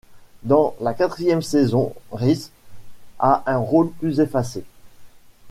Dans la quatrième saison, Rhys a un rôle plus effacé.